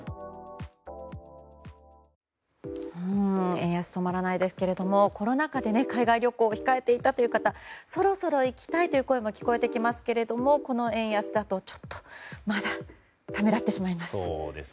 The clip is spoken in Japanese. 円安止まらないですけどもコロナ禍で海外旅行を控えていたという方そろそろ行きたいという声も聞こえてきますけれどもこの円安だと、ちょっとまだためらってしまいます。